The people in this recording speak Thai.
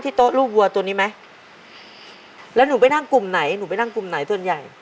โต๊ะลูกวัวตัวนี้ไหมแล้วหนูไปนั่งกลุ่มไหนหนูไปนั่งกลุ่มไหนส่วนใหญ่